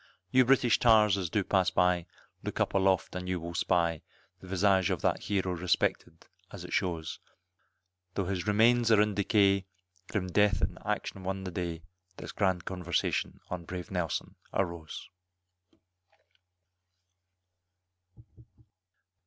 You British tars as do pass by, look up aloft and you will spy, The visage of that hero respected as it shows, Tho' his remains are in decay, grim Death in action won the day, This grand conversation on brave Nelson arose.